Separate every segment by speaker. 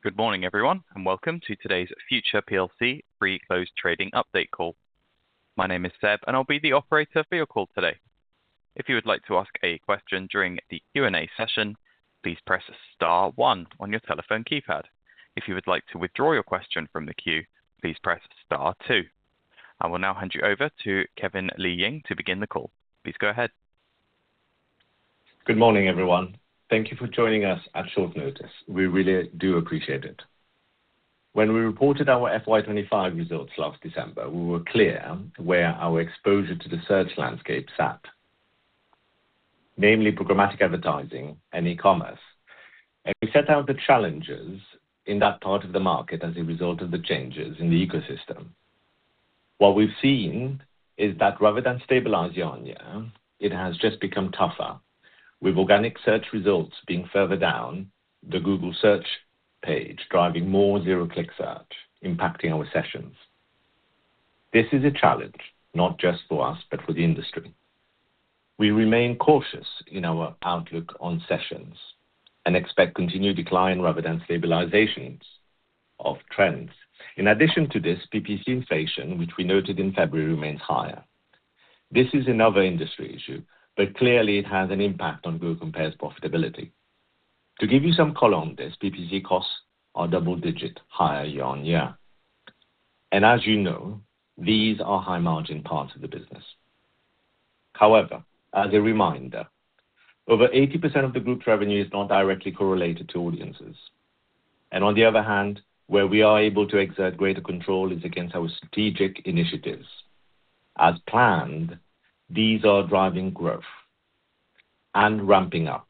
Speaker 1: Good morning, everyone, and welcome to today's Future plc pre-close trading update call. My name is Seb, and I'll be the operator for your call today. If you would like to ask a question during the Q&A session, please press star one on your telephone keypad. If you would like to withdraw your question from the queue, please press star two. I will now hand you over to Kevin Li Ying to begin the call. Please go ahead.
Speaker 2: Good morning, everyone. Thank you for joining us at short notice. We really do appreciate it. When we reported our FY 2025 results last December, we were clear where our exposure to the search landscape sat, namely programmatic advertising and e-commerce. We set out the challenges in that part of the market as a result of the changes in the ecosystem. What we've seen is that rather than stabilize year-on-year, it has just become tougher, with organic search results being further down the Google Search page, driving more zero-click search, impacting our sessions. This is a challenge not just for us, but for the industry. We remain cautious in our outlook on sessions and expect continued decline rather than stabilizations of trends. In addition to this, PPC inflation, which we noted in February, remains higher. This is another industry issue, but clearly it has an impact on Go.Compare's profitability. To give you some color on this, PPC costs are double digit higher year-on-year. As you know, these are high margin parts of the business. However, as a reminder, over 80% of the group's revenue is not directly correlated to audiences. On the other hand, where we are able to exert greater control is against our strategic initiatives. As planned, these are driving growth and ramping up.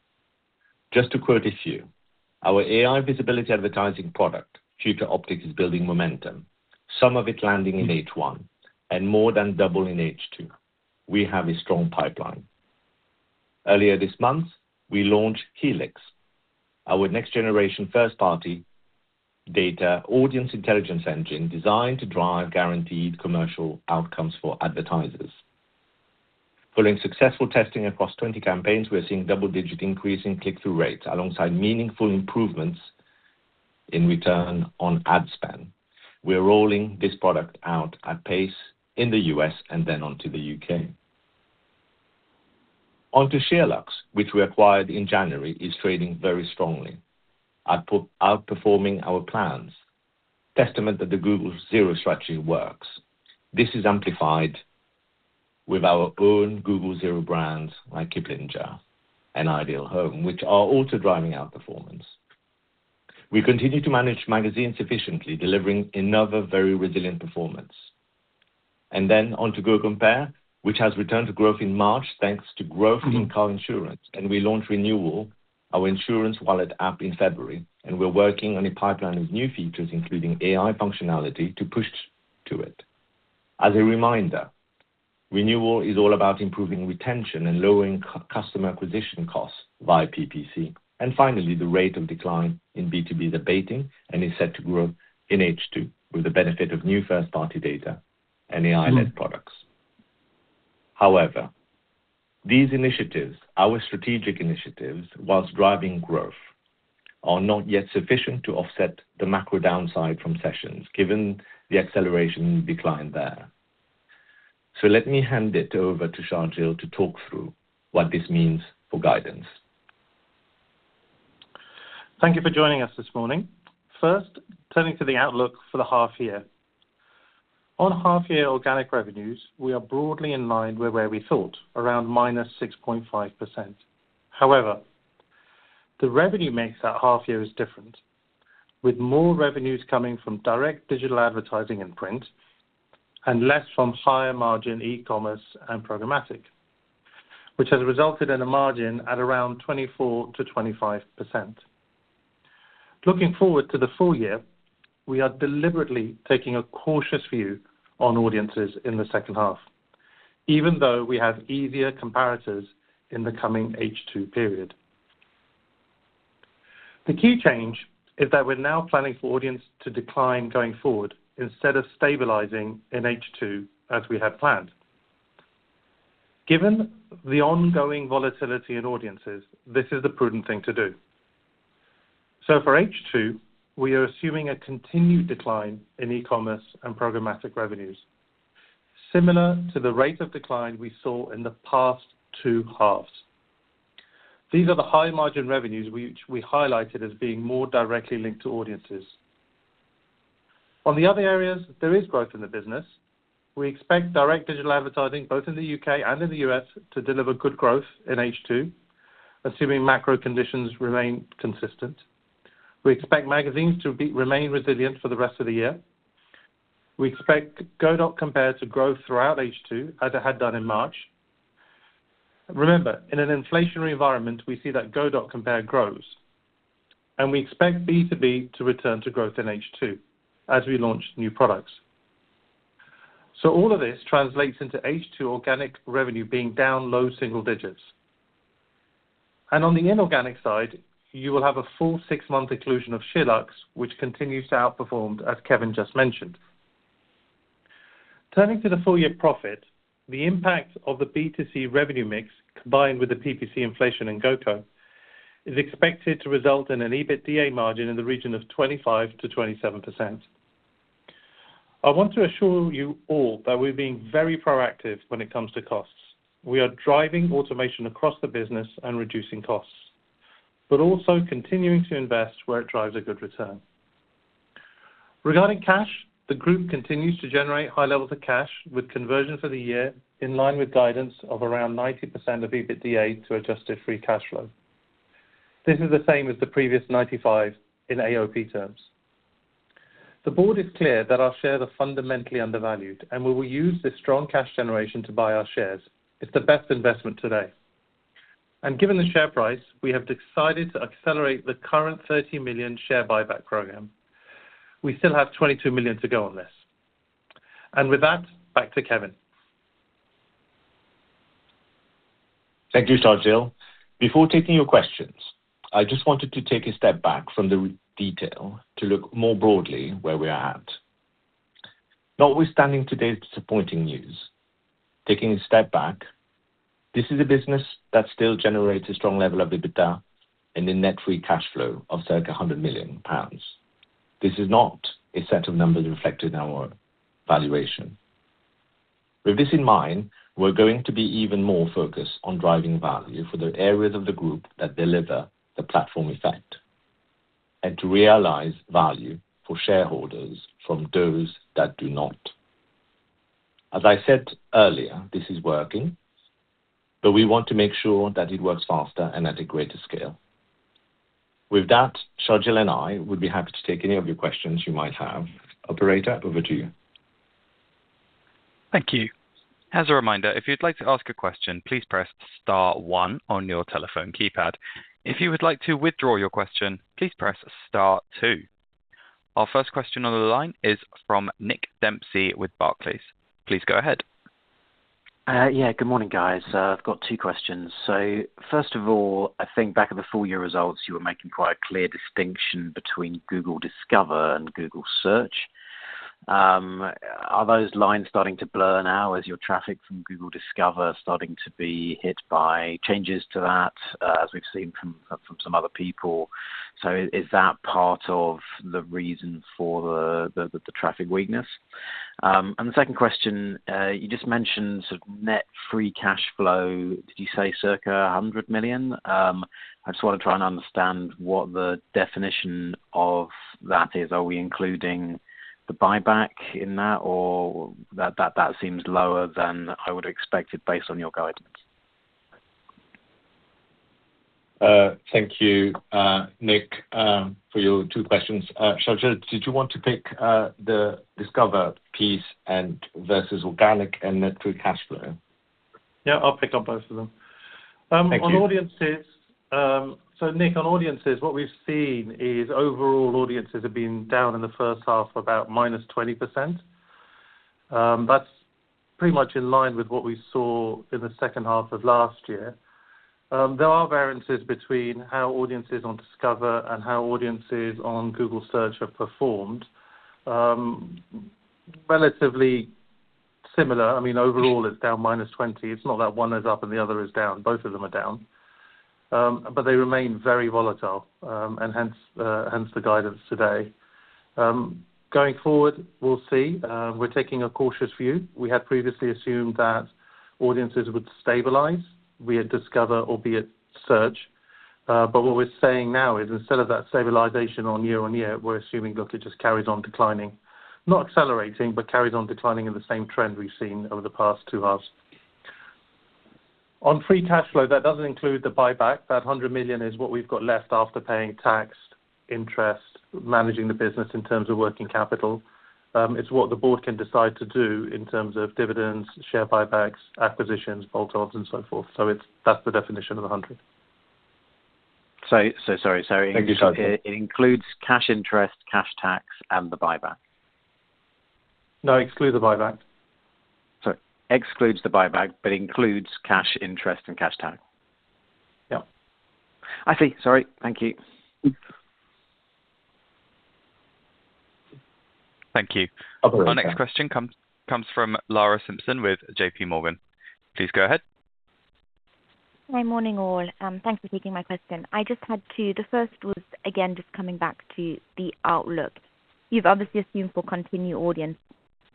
Speaker 2: Just to quote a few, our AI visibility advertising product, Future Optic, is building momentum, some of it landing in H1 and more than double in H2. We have a strong pipeline. Earlier this month, we launched Helix, our next-generation first-party data audience intelligence engine designed to drive guaranteed commercial outcomes for advertisers. Following successful testing across 20 campaigns, we're seeing double-digit increase in click-through rates alongside meaningful improvements in return on ad spend. We are rolling this product out at pace in the U.S. and then on to the U.K. On to SheerLuxe, which we acquired in January, is trading very strongly, outperforming our plans, testament that the Google Zero strategy works. This is amplified with our own Google Zero brands like Kiplinger and Ideal Home, which are also driving our performance. We continue to manage magazines efficiently, delivering another very resilient performance. Then on to Go.Compare, which has returned to growth in March, thanks to growth in car insurance. We launched Renewal, our insurance wallet app, in February, and we're working on a pipeline of new features, including AI functionality, to push to it. As a reminder, Renewal is all about improving retention and lowering customer acquisition costs via PPC. Finally, the rate of decline in B2B is abating and is set to grow in H2 with the benefit of new first-party data and AI-led products. However, these initiatives, our strategic initiatives, while driving growth, are not yet sufficient to offset the macro downside from sessions, given the accelerating decline there. Let me hand it over to Sharjeel to talk through what this means for guidance.
Speaker 3: Thank you for joining us this morning. First, turning to the outlook for the half year. On half year organic revenues, we are broadly in line with where we thought, around -6.5%. However, the revenue mix that half year is different, with more revenues coming from direct digital advertising and print and less from higher margin e-commerce and programmatic, which has resulted in a margin at around 24%-25%. Looking forward to the full year, we are deliberately taking a cautious view on audiences in the second half, even though we have easier comparators in the coming H2 period. The key change is that we're now planning for audience to decline going forward instead of stabilizing in H2 as we had planned. Given the ongoing volatility in audiences, this is the prudent thing to do. For H2, we are assuming a continued decline in e-commerce and programmatic revenues, similar to the rate of decline we saw in the past two halves. These are the high margin revenues which we highlighted as being more directly linked to audiences. On the other areas, there is growth in the business. We expect direct digital advertising, both in the U.K. and in the U.S., to deliver good growth in H2, assuming macro conditions remain consistent. We expect magazines to remain resilient for the rest of the year. We expect Go.Compare to grow throughout H2, as it had done in March. Remember, in an inflationary environment, we see that Go.Compare grows, and we expect B2B to return to growth in H2 as we launch new products. All of this translates into H2 organic revenue being down low single digits. On the inorganic side, you will have a full six month inclusion of SheerLuxe, which continues to outperform, as Kevin just mentioned. Turning to the full year profit, the impact of the B2C revenue mix, combined with the PPC inflation in Go.Compare, is expected to result in an EBITDA margin in the region of 25%-27%. I want to assure you all that we're being very proactive when it comes to costs. We are driving automation across the business and reducing costs, but also continuing to invest where it drives a good return. Regarding cash, the group continues to generate high levels of cash with conversion for the year in line with guidance of around 90% of EBITDA to adjusted free cash flow. This is the same as the previous 95 in AOP terms. The board is clear that our shares are fundamentally undervalued, and we will use this strong cash generation to buy our shares. It's the best investment today. Given the share price, we have decided to accelerate the current 30 million share buyback program. We still have 22 million to go on this. With that, back to Kevin.
Speaker 2: Thank you, Sharjeel. Before taking your questions, I just wanted to take a step back to look more broadly where we are at. Notwithstanding today's disappointing news, taking a step back, this is a business that still generates a strong level of EBITDA and a net free cash flow of circa 100 million pounds. This is not a set of numbers reflected in our valuation. With this in mind, we're going to be even more focused on driving value for the areas of the group that deliver the platform effect and to realize value for shareholders from those that do not. As I said earlier, this is working, but we want to make sure that it works faster and at a greater scale. With that, Sharjeel and I would be happy to take any of your questions you might have. Operator, over to you.
Speaker 1: Thank you. As a reminder, if you'd like to ask a question, please press star one on your telephone keypad. If you would like to withdraw your question, please press star two. Our first question on the line is from Nick Dempsey with Barclays. Please go ahead.
Speaker 4: Yeah, good morning, guys. I've got two questions. First of all, I think back at the full year results, you were making quite a clear distinction between Google Discover and Google Search. Are those lines starting to blur now as your traffic from Google Discover is starting to be hit by changes to that, as we've seen from some other people? Is that part of the reason for the traffic weakness? The second question, you just mentioned sort of net free cash flow. Did you say circa 100 million? I just wanna try and understand what the definition of that is. Are we including the buyback in that, or that seems lower than I would have expected based on your guidance.
Speaker 2: Thank you, Nick, for your two questions. Sharjeel, did you want to take the Discover piece and versus organic and net free cash flow?
Speaker 3: Yeah, I'll pick up both of them.
Speaker 2: Thank you.
Speaker 3: On audiences, Nick, on audiences, what we've seen is overall audiences have been down in the first half, about -20%. That's pretty much in line with what we saw in the second half of last year. There are variances between how audiences on Discover and how audiences on Google Search have performed. Relatively similar. I mean, overall, it's down -20%. It's not that one is up and the other is down. Both of them are down. They remain very volatile, and hence the guidance today. Going forward, we'll see. We're taking a cautious view. We had previously assumed that audiences would stabilize via Discover or via Search. What we're saying now is instead of that stabilization on year-on-year, we're assuming, look, it just carries on declining. Not accelerating, but carries on declining in the same trend we've seen over the past two halves. On free cash flow, that doesn't include the buyback. That 100 million is what we've got left after paying tax, interest, managing the business in terms of working capital. It's what the board can decide to do in terms of dividends, share buybacks, acquisitions, bolt-ons and so forth. That's the definition of the 100 million.
Speaker 4: Sorry.
Speaker 2: Thank you, Sharjeel.
Speaker 4: It includes cash interest, cash tax and the buyback.
Speaker 3: No, excludes the buyback.
Speaker 4: Sorry. Excludes the buyback, but includes cash interest and cash tax.
Speaker 3: Yeah.
Speaker 4: I see. Sorry. Thank you.
Speaker 1: Thank you. Our next question comes from Lara Simpson with JPMorgan. Please go ahead.
Speaker 5: Hi. Morning, all. Thanks for taking my question. I just had two. The first was, again, just coming back to the outlook. You've obviously assumed for continued audience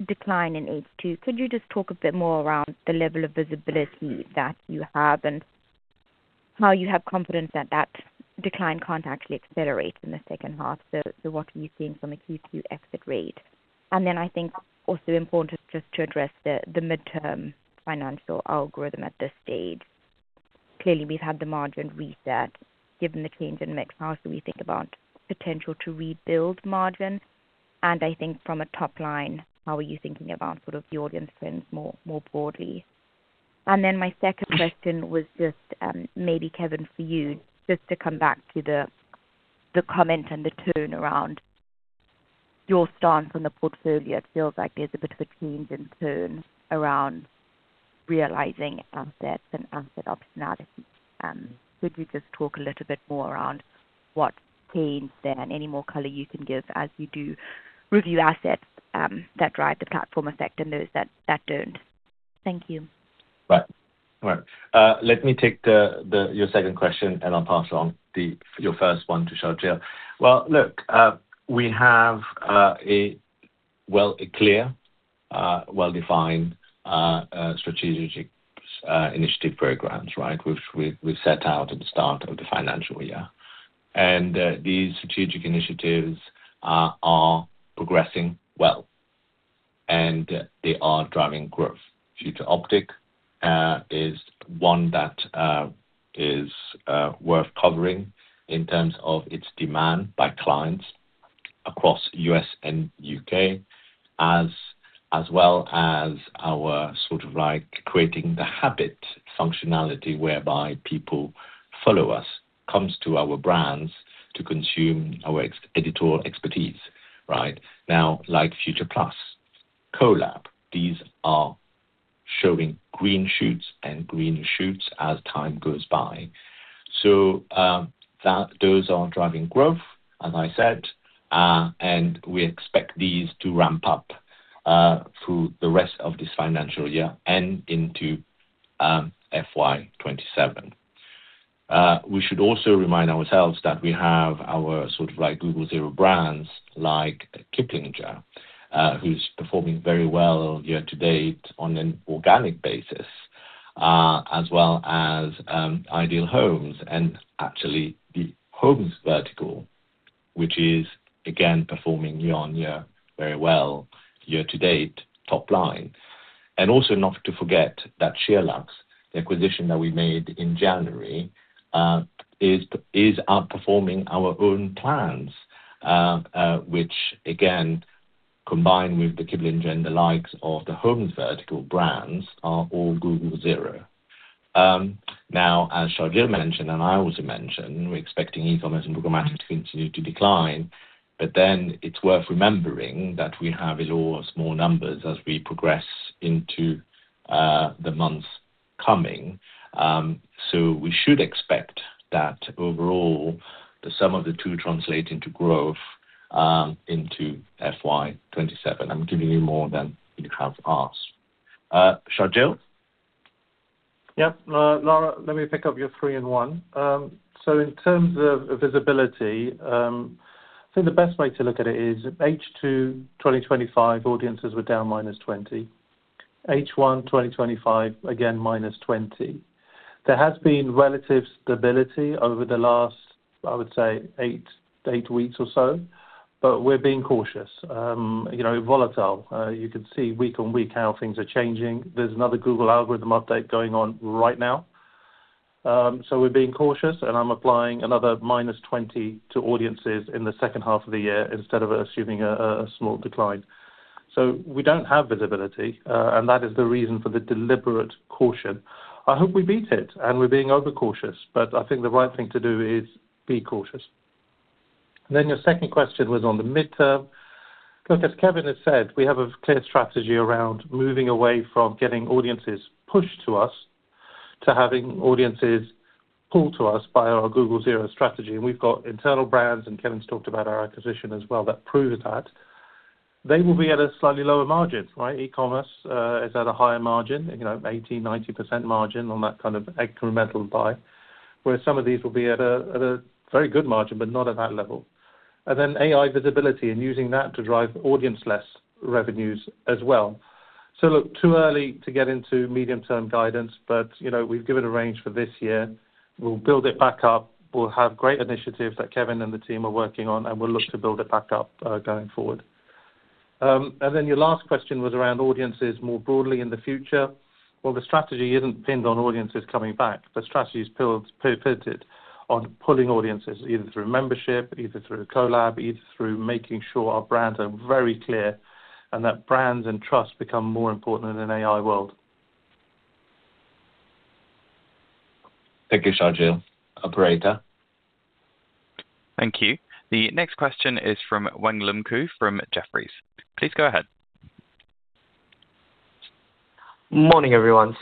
Speaker 5: decline in H2. Could you just talk a bit more around the level of visibility that you have and how you have confidence that that decline can't actually accelerate in the second half? So what are you seeing from a Q2 exit rate? And then I think also important just to address the midterm financial algorithm at this stage. Clearly, we've had the margin reset. Given the change in mix, how do we think about potential to rebuild margin? And I think from a top line, how are you thinking about sort of the audience trends more broadly? My second question was just, maybe Kevin, for you, just to come back to the comment and the turnaround in your stance on the portfolio. It feels like there's a bit of a change in turnaround realizing assets and asset optionality. Could we just talk a little bit more around what changed there and any more color you can give as you do review assets that drive the platform effect and those that don't? Thank you.
Speaker 2: Right. Let me take your second question, and I'll pass along your first one to Sharjeel. Well, look, we have a clear, well-defined strategic initiative programs, right? Which we set out at the start of the financial year. These strategic initiatives are progressing well, and they are driving growth. Future Optic is one that is worth covering in terms of its demand by clients across U.S. and U.K., as well as our sort of like creating the habit functionality whereby people follow us, comes to our brands to consume our editorial expertise, right? Now, like Future Plus, Colab, these are showing green shoots as time goes by. Those are driving growth, as I said. We expect these to ramp up through the rest of this financial year and into FY 2027. We should also remind ourselves that we have our sort of like Google Zero brands like Kiplinger, which is performing very well year to date on an organic basis, as well as Ideal Home and actually the Homes vertical, which is again performing year-over-year very well year to date top line. Also not to forget that SheerLuxe, the acquisition that we made in January, is outperforming our own plans, which again combined with the Kiplinger and the likes of the Homes vertical brands are all Google Zero. Now as Sharjeel mentioned, and I also mentioned, we're expecting e-commerce and programmatic to continue to decline, but then it's worth remembering that we have lower small numbers as we progress into the coming months. We should expect that overall, the sum of the two translate into growth into FY 2027. I'm giving you more than you have asked. Sharjeel?
Speaker 3: Yeah. Lara, let me pick up your three in one. In terms of visibility, I think the best way to look at it is H2 2025 audiences were down -20%. H1 2025, again -20%. There has been relative stability over the last, I would say eight weeks or so, but we're being cautious. You know, volatile. You can see week-on-week how things are changing. There's another Google algorithm update going on right now. We're being cautious, and I'm applying another -20% to audiences in the second half of the year instead of assuming a small decline. We don't have visibility, and that is the reason for the deliberate caution. I hope we beat it and we're being overcautious, but I think the right thing to do is be cautious. Your second question was on the mid-term. Look, as Kevin has said, we have a clear strategy around moving away from getting audiences pushed to us, to having audiences pulled to us by our Google Zero strategy. We've got internal brands, and Kevin's talked about our acquisition as well that proves that. They will be at a slightly lower margin, right? e-commerce is at a higher margin, you know, 80%-90% margin on that kind of incremental buy, where some of these will be at a very good margin, but not at that level. AI visibility and using that to drive audience-led revenues as well. Look, too early to get into medium-term guidance, but, you know, we've given a range for this year. We'll build it back up. We'll have great initiatives that Kevin and the team are working on, and we'll look to build it back up, going forward. Your last question was around audiences more broadly in the future. Well, the strategy isn't pinned on audiences coming back. The strategy is pitted on pulling audiences, either through membership, either through Colab, either through making sure our brands are very clear and that brands and trust become more important in an AI world.
Speaker 2: Thank you, Sharjeel. Operator.
Speaker 1: Thank you. The next question is from Weng Lum Khoo from Jefferies. Please go ahead.
Speaker 6: Morning, everyone.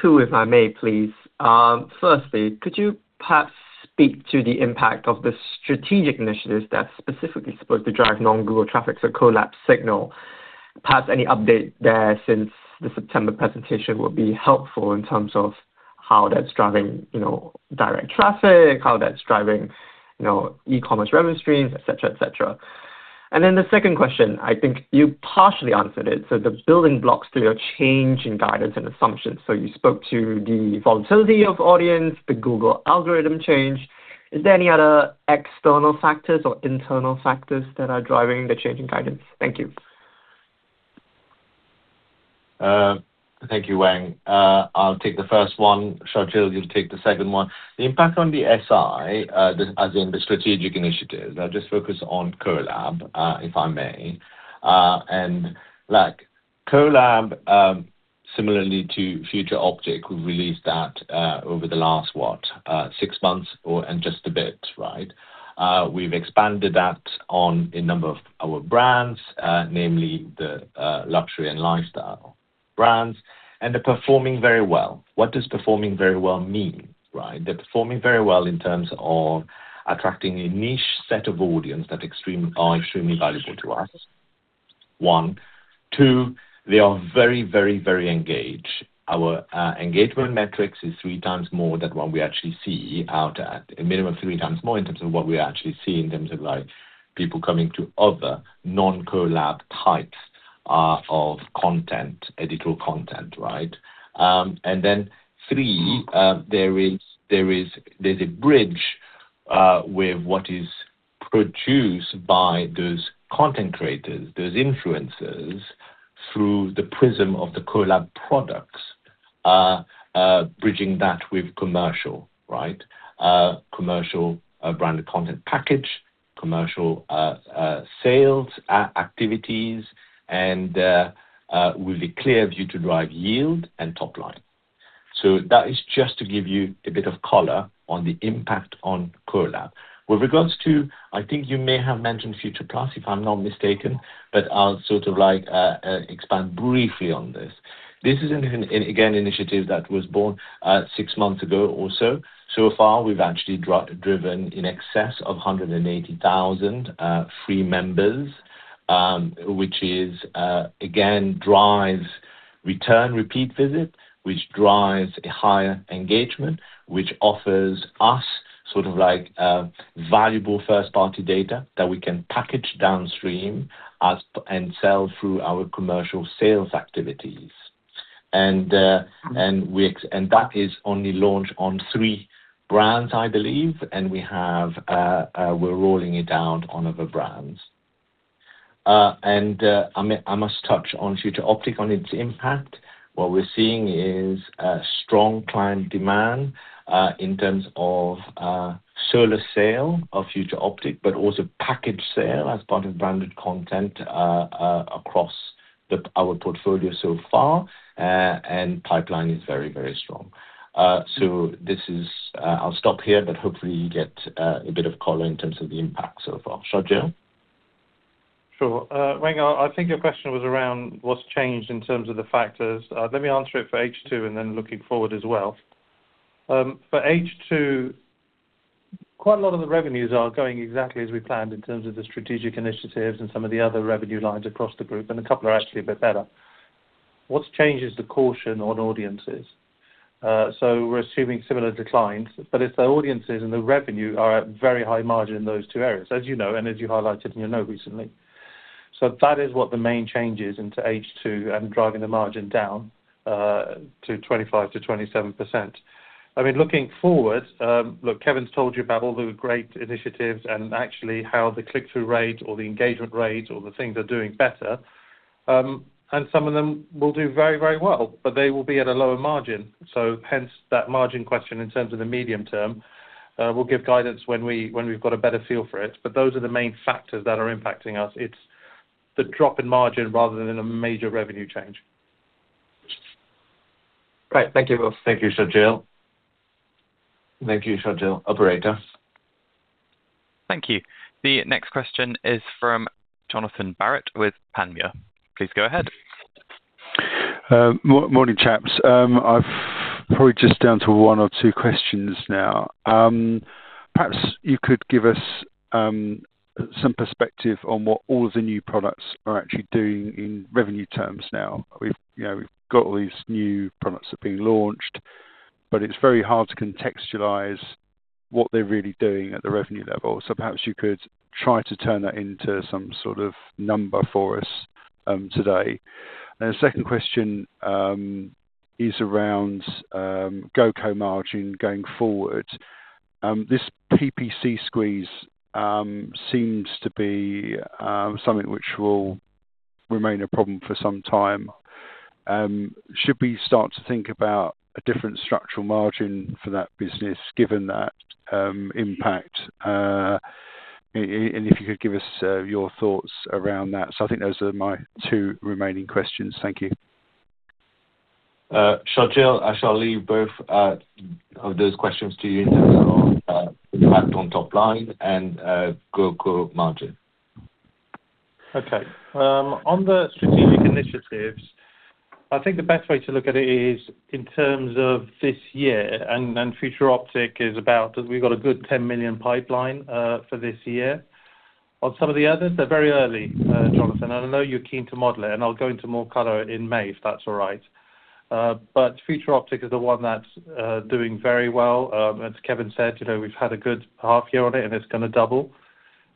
Speaker 6: Two, if I may please. Firstly, could you perhaps speak to the impact of the strategic initiatives that's specifically supposed to drive non-Google traffic, so Colab Signal? Perhaps any update there since the September presentation would be helpful in terms of how that's driving, you know, direct traffic, how that's driving, you know, e-commerce revenue streams, et cetera, et cetera. Then the second question, I think you partially answered it. The building blocks to your change in guidance and assumptions. You spoke to the volatility of audience, the Google algorithm change. Is there any other external factors or internal factors that are driving the change in guidance? Thank you.
Speaker 2: Thank you, Weng. I'll take the first one. Sharjeel, you'll take the second one. The impact on the SI, as in the strategic initiatives, I'll just focus on Colab, if I may. Look, Colab, similarly to Future Optic, we've released that over the last, what? Six months and just a bit, right? We've expanded that on a number of our brands, namely the luxury and lifestyle brands, and they're performing very well. What does performing very well mean, right? They're performing very well in terms of attracting a niche set of audience that are extremely valuable to us, one. Two, they are very engaged. Our engagement metrics is 3x more than what we actually see out at. A minimum 3x more in terms of what we are actually seeing in terms of, like, people coming to other non-collab types of content, editorial content, right? And then three, there is—there's a bridge with what is produced by those content creators, those influencers, through the prism of the collab products, bridging that with commercial, right? Commercial branded content package, commercial sales activities and with a clear view to drive yield and top line. That is just to give you a bit of color on the impact on collab. With regards to, I think you may have mentioned Future Plus, if I'm not mistaken, but I'll sort of like expand briefly on this. This is an, again, an initiative that was born six months ago or so. Far, we've actually driven in excess of 180,000 free members, which is again drives returning repeat visits, which drives a higher engagement, which offers us sort of like valuable first-party data that we can package downstream and sell through our commercial sales activities. That is only launched on three brands, I believe. We're rolling it out on other brands. I must touch on Future Optic on its impact. What we're seeing is strong client demand in terms of solo sale of Future Optic, but also package sale as part of branded content across our portfolio so far. Pipeline is very, very strong. This is. I'll stop here, but hopefully you get a bit of color in terms of the impact so far. Sharjeel?
Speaker 3: Sure. Weng, I think your question was around what's changed in terms of the factors. Let me answer it for H2 and then looking forward as well. For H2, quite a lot of the revenues are going exactly as we planned in terms of the strategic initiatives and some of the other revenue lines across the group, and a couple are actually a bit better. What's changed is the caution on audiences. We're assuming similar declines, but if the audiences and the revenue are at very high margin in those two areas, as you know, and as you highlighted in your note recently. That is what the main change is into H2 and driving the margin down to 25%-27%. I mean, looking forward, look, Kevin's told you about all the great initiatives and actually how the click-through rate or the engagement rates or the things are doing better. Some of them will do very, very well, but they will be at a lower margin. Hence that margin question in terms of the medium term, we'll give guidance when we've got a better feel for it. Those are the main factors that are impacting us. It's the drop in margin rather than a major revenue change.
Speaker 6: Right. Thank you both.
Speaker 2: Thank you, Sharjeel. Operator.
Speaker 1: Thank you. The next question is from Johnathan Barrett with Panmure. Please go ahead.
Speaker 7: Morning, chaps. I've probably just got down to one or two questions now. Perhaps you could give us some perspective on what all of the new products are actually doing in revenue terms now. We've, you know, got all these new products that are being launched, but it's very hard to contextualize what they're really doing at the revenue level. Perhaps you could try to turn that into some sort of number for us today. The second question is around GoCo margin going forward. This PPC squeeze seems to be something which will remain a problem for some time. Should we start to think about a different structural margin for that business given that impact? If you could give us your thoughts around that. I think those are my two remaining questions. Thank you.
Speaker 2: Sharjeel, I shall leave both of those questions to you in terms of impact on top line and GoCo margin.
Speaker 3: Okay. On the strategic initiatives, I think the best way to look at it is in terms of this year and Future Optic is about. We've got a good 10 million pipeline for this year. On some of the others, they're very early, Johnathan. I know you're keen to model it, and I'll go into more color in May, if that's all right. But Future Optic is the one that's doing very well. As Kevin said, you know, we've had a good half year on it and it's gonna double.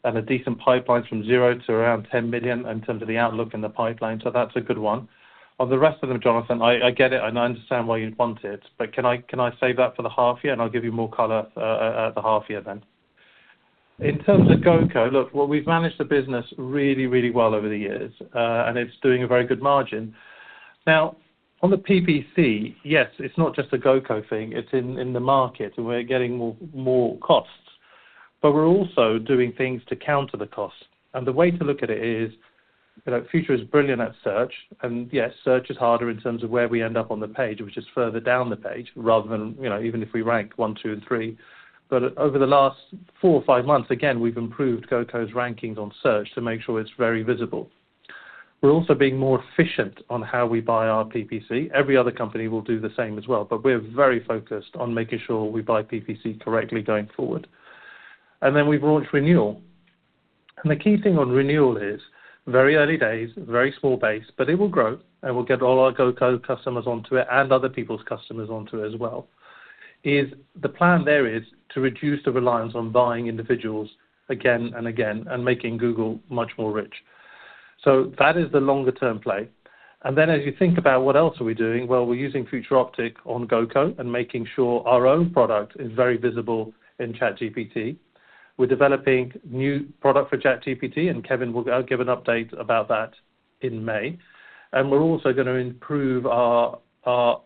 Speaker 3: A decent pipeline from zero to around 10 million in terms of the outlook and the pipeline. That's a good one. On the rest of them, Johnathan, I get it, and I understand why you'd want it, but can I save that for the half year and I'll give you more color at the half year then? In terms of GoCo, look, well, we've managed the business really well over the years, and it's doing a very good margin. Now on the PPC, yes, it's not just a GoCo thing, it's in the market, and we're getting more costs. But we're also doing things to counter the costs. The way to look at it is, you know, Future is brilliant at search. Yes, search is harder in terms of where we end up on the page, which is further down the page rather than, you know, even if we rank one, two, and three. Over the last four or five months, again, we've improved GoCo's rankings on search to make sure it's very visible. We're also being more efficient on how we buy our PPC. Every other company will do the same as well, but we're very focused on making sure we buy PPC correctly going forward. Then we've launched Renewal. The key thing on Renewal is very early days, very small base, but it will grow, and we'll get all our GoCo customers onto it and other people's customers onto it as well, is the plan there is to reduce the reliance on buying individuals again and again and making Google much more rich. That is the longer-term play. Then as you think about what else are we doing, well, we're using Future Optic on GoCo and making sure our own product is very visible in ChatGPT. We're developing new product for ChatGPT, and Kevin will give an update about that in May. We're also gonna improve our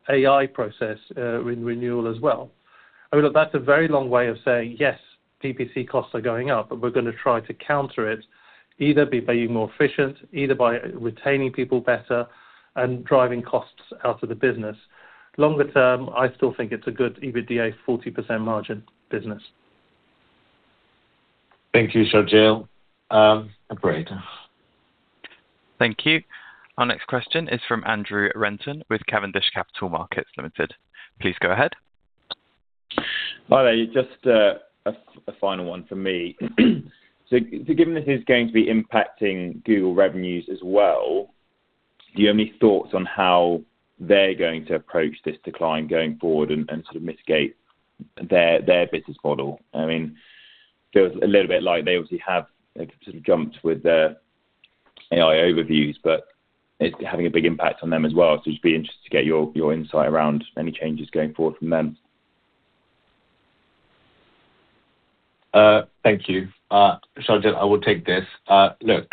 Speaker 3: AI process in Renewal as well. I mean, look, that's a very long way of saying, yes, PPC costs are going up, but we're gonna try to counter it either by being more efficient, either by retaining people better and driving costs out of the business. Longer term, I still think it's a good EBITDA 40% margin business.
Speaker 2: Thank you, Sharjeel. Great.
Speaker 1: Thank you. Our next question is from Andrew Renton with Cavendish Capital Markets Limited. Please go ahead.
Speaker 8: Hi. Just a final one for me. Given this is going to be impacting Google revenues as well, do you have any thoughts on how they're going to approach this decline going forward and sort of mitigate their business model? I mean, feels a little bit like they obviously have sort of jumped with their AI Overviews, but it's having a big impact on them as well. Just be interested to get your insight around any changes going forward from them.
Speaker 2: Thank you. Sharjeel, I will take this. Look,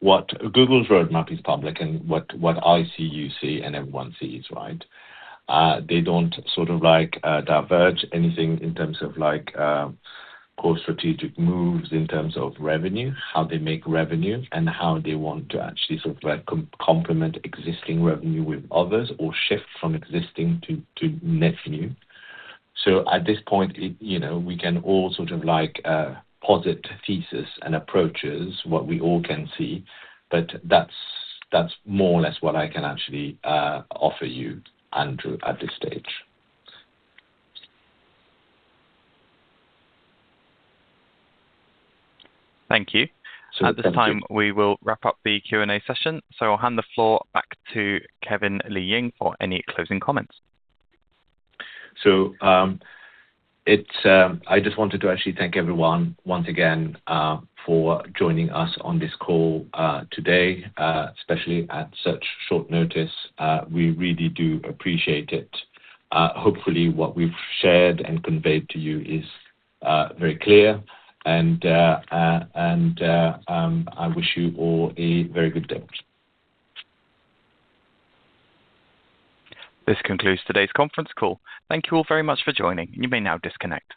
Speaker 2: what Google's roadmap is public and what I see you see and everyone sees, right? They don't sort of like divulge anything in terms of like core strategic moves in terms of revenue, how they make revenue, and how they want to actually sort of complement existing revenue with others or shift from existing to net new. At this point, you know, we can all sort of like posit thesis and approaches what we all can see, but that's more or less what I can actually offer you, Andrew, at this stage.
Speaker 1: Thank you. At this time, we will wrap up the Q&A session, so I'll hand the floor back to Kevin Li Ying for any closing comments.
Speaker 2: I just wanted to actually thank everyone once again for joining us on this call today, especially at such short notice. We really do appreciate it. Hopefully, what we've shared and conveyed to you is very clear and I wish you all a very good day.
Speaker 1: This concludes today's conference call. Thank you all very much for joining. You may now disconnect.